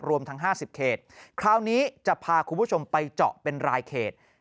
รวมทั้ง๕๐เขตคราวนี้จะพาคุณผู้ชมไปเจาะเป็นรายเขต